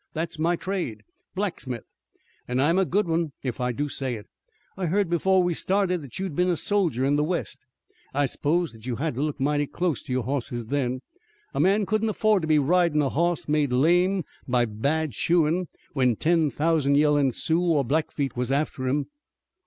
That's my trade, blacksmith, an' I'm a good one if I do say it. I heard before we started that you had been a soldier in the west. I s'pose that you had to look mighty close to your hosses then. A man couldn't afford to be ridin' a hoss made lame by bad shoein' when ten thousand yellin' Sioux or Blackfeet was after him."